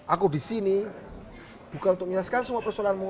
aku di sini bukan untuk menyelesaikan semua persoalanmu